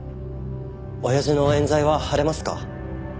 親父の冤罪は晴れますか？